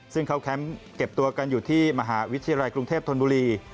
ซึ่งเขาแคมป์เก็บตัวกันอยู่ที่มหาวิทยาลัยกรุงเทพธนบุรี